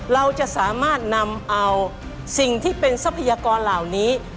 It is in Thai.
เราจะสามารถนำเอาสิ่งที่เป็นทรัพยากรเหล่านี้